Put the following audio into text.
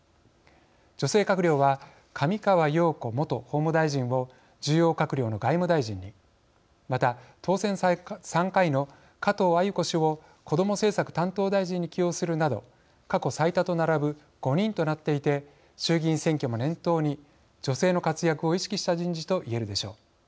女性閣僚は上川陽子元法務大臣を重要閣僚の外務大臣にまた当選３回の加藤鮎子氏をこども政策担当大臣に起用するなど過去最多と並ぶ５人となっていて衆議院選挙も念頭に女性の活躍を意識した人事と言えるでしょう。